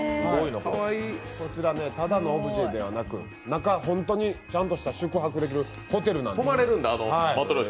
こちらただのオブジェではなく、中、本当にちゃんとした宿泊ホテルなんです。